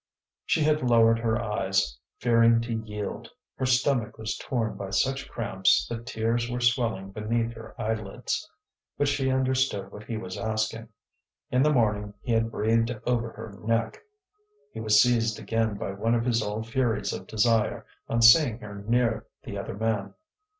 She had lowered her eyes, fearing to yield; her stomach was torn by such cramps that tears were swelling beneath her eyelids. But she understood what he was asking; in the morning he had breathed over her neck; he was seized again by one of his old furies of desire on seeing her near the other man.